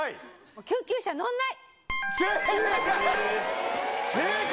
救急車乗らない。